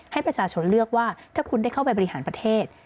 ให้ประชาชนเลือกว่าถ้าคุณได้เข้าไปบริหารประเทศ